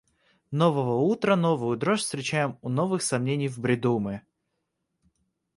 Нового утра новую дрожь встречаем у новых сомнений в бреду мы.